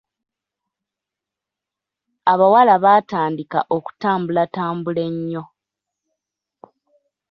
Abawala baatandika okutambulatambula ennyo.